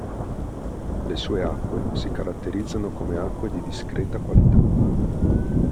Le sue acque si caratterizzano come acque di discreta qualità.